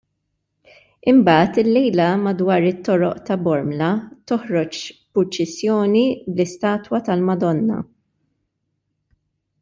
Imbagħad illejla madwar it-toroq ta' Bormla toħroġ purċissjoni bl-istatwa tal-Madonna.